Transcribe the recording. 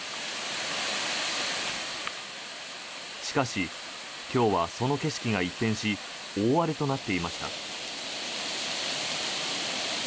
しかし、今日はその景色が一変し大荒れとなっていました。